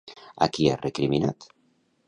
A qui ha recriminat?